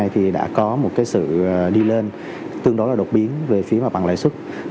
thì đã có một sự đi lên tương đối là đột biến về phía mặt bằng lãi xuất